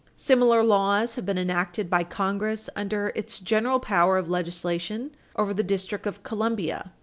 Similar laws have been enacted by Congress under its general power of legislation over the District of Columbia, Rev.Stat.